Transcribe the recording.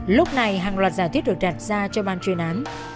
lúc này hàng loạt giả thuyết được đặt ra cho bàn truyền án